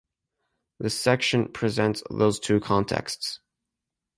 This section presents those two contexts.